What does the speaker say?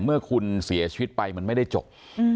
เมื่อคุณเสียชีวิตไปมันไม่ได้จบ